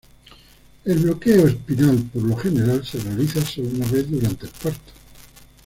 El bloqueo espinal por lo general se realiza solo una vez durante el parto.